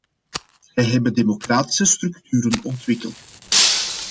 Zij hebben democratische structuren ontwikkeld.